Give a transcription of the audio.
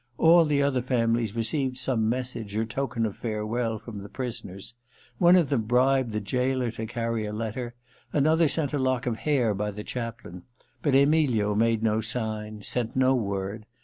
All the other families received some message or token of farewell from the prisoners. One of them bribed the gaoler to carry a letter — another sent a lock of hair by the chaplain. But Emilio made no sign, sent no word.